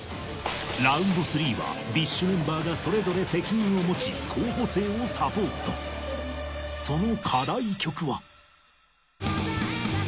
ＲＯＵＮＤ３ は ＢｉＳＨ メンバーがそれぞれ責任を持ち候補生をサポートその